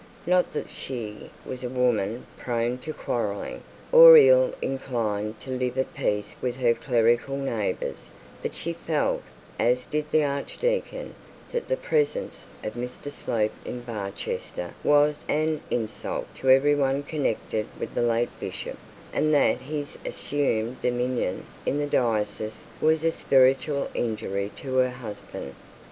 Not that she was a woman prone to quarrelling, or ill inclined to live at peace with her clerical neighbours; but she felt, as did the archdeacon, that the presence of Mr Slope in Barchester was an insult to every one connected with the late bishop, and that his assumed dominion in the diocese was a spiritual injury to her husband.